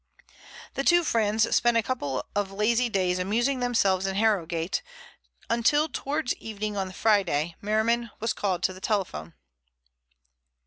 The two friends spent a couple of lazy days amusing themselves in Harrogate, until towards evening on the Friday Merriman was called to the telephone.